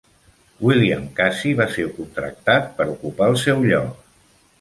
William Casey va ser contractat per ocupar el seu lloc.